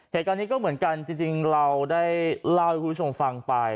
เหตุการณ์นี้ก็เหมือนกันจริงเราได้เล่าให้คุณผู้ชมฟังไป